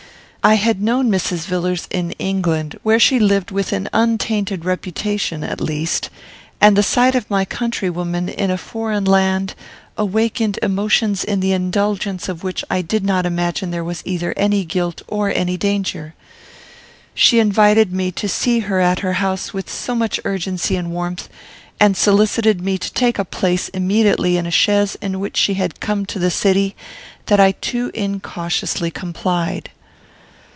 I had known Mrs. Villars in England, where she lived with an untainted reputation, at least; and the sight of my countrywoman, in a foreign land, awakened emotions in the indulgence of which I did not imagine there was either any guilt or any danger. She invited me to see her at her house with so much urgency and warmth, and solicited me to take a place immediately in a chaise in which she had come to the city, that I too incautiously complied.